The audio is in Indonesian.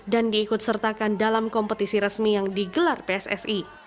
dan diikut sertakan dalam kompetisi resmi yang digelar pssi